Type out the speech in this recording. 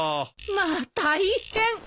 まあ大変！